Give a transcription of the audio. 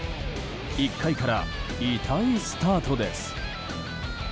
１回から痛いスタートです。